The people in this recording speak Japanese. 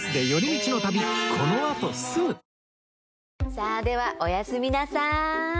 さあではおやすみなさーい。